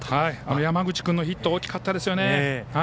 山口君のヒット大きかったですね。